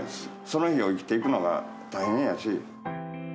その日を生きていくのが、大変やし。